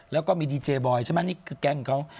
แล้วก็มีดีเจบอยใช่ไหมนี่คือแก๊งของเขา